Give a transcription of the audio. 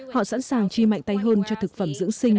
họ sẵn sàng chi mạnh tay hơn cho thực phẩm dưỡng sinh